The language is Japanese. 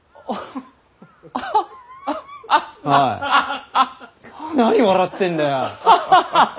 おい何笑ってんだよ！